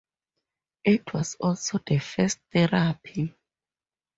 It was also the first Therapy?